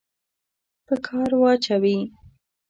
په کار واچوي.